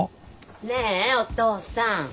ねえお父さん。